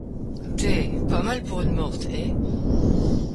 Té, pas mal pour une morte, hé ?